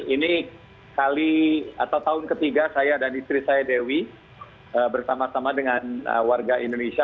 ini kali atau tahun ketiga saya dan istri saya dewi bersama sama dengan warga indonesia